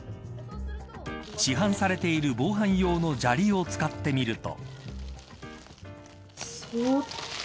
市販されている防犯用の砂利を使ってみると。